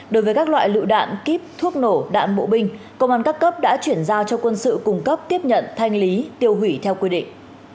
đối với các loại lựu đạn kíp thuốc nổ đạn bộ binh công an các cấp đã chuyển giao cho quân sự cung cấp tiếp nhận thanh lý tiêu hủy theo quy định